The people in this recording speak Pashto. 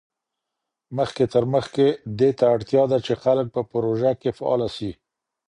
مخکي تر مخکي، دې ته اړتیا ده چي خلګ په پروژه کي فعاله سي.